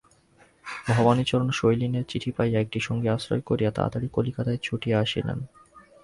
ভবানীচরণ শৈলেনের চিঠি পাইয়া একটি সঙ্গী আশ্রয় করিয়া তাড়াতাড়ি কলিকাতায় ছুটিয়া আসিলেন।